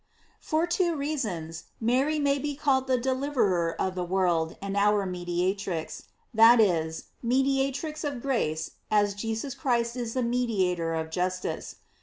For two reasons, Mary may be called the deliverer of the world and our mediatrix; that is, mediatrix of grace, as Jesus Christ is the mediator of justice.